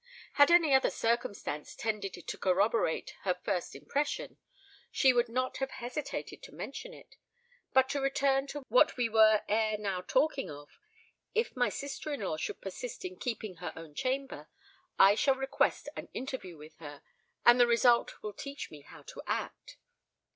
Had any other circumstance tended to corroborate her first impression, she would not have hesitated to mention it. But to return to what we were ere now talking of. If my sister in law should persist in keeping her own chamber, I shall request an interview with her; and the result will teach me how to act."